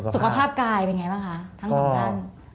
สุขภาพกลายบ้างคะทั้งสองด้าน